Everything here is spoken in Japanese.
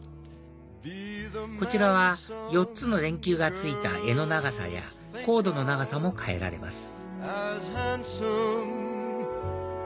こちらは４つの電球が付いた柄の長さやコードの長さも変えられます